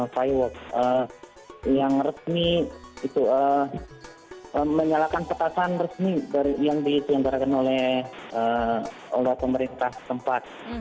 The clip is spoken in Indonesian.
firework yang resmi menyalakan petasan resmi yang diselenggarakan oleh pemerintah tempat